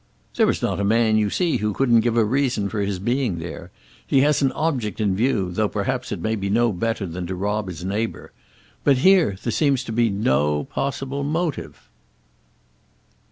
"There is not a man you see who couldn't give a reason for his being there. He has an object in view, though perhaps it may be no better than to rob his neighbour. But here there seems to be no possible motive."